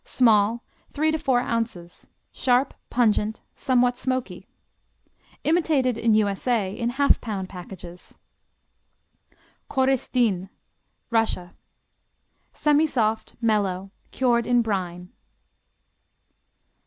Small, three to four ounces; sharp; pungent; somewhat smoky. Imitated in U.S.A. in half pound packages. Korestin Russia Semisoft; mellow; cured in brine.